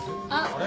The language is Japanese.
あれ？